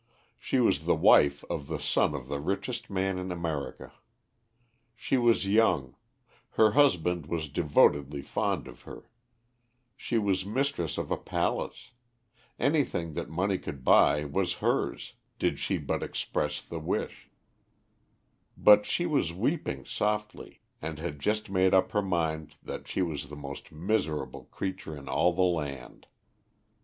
She was the wife of the son of the richest man in America; she was young; her husband was devotedly fond of her; she was mistress of a palace; anything that money could buy was hers did she but express the wish; but she was weeping softly, and had just made up her mind that she was the most miserable creature in all the land.